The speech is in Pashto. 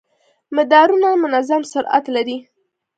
مدارونه منظم سرعت لري.